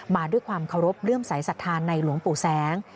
มาด้วยความเคารพเลื่อมสายศรัทธาในหลวงปู่แสง